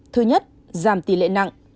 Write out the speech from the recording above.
thứ nhất giảm tỷ lệ nặng